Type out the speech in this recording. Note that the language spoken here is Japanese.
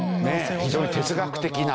非常に哲学的な。